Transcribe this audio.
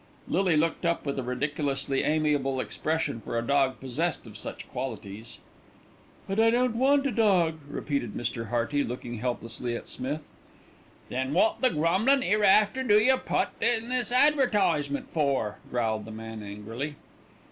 Lily looked up with a ridiculously amiable expression for a dog possessed of such qualities. "But I don't want a dog," repeated Mr. Hearty, looking helplessly at Smith. "Then wot the grumblin' 'ereafter do yer put in this advertisement for?" growled the man angrily.